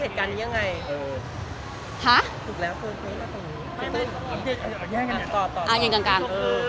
จะว่าถวงคืน